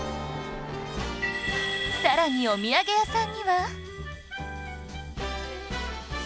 さらにお土産屋さんには